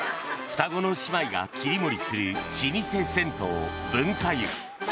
双子の姉妹が切り盛りする老舗銭湯、文化湯。